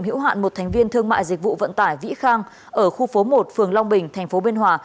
hữu hạn một thành viên thương mại dịch vụ vận tải vĩ khang ở khu phố một phường long bình tp biên hòa